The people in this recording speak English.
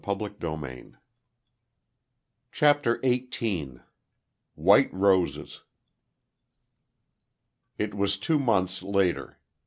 CHAPTER EIGHTEEN. WHITE ROSES. It was two months later.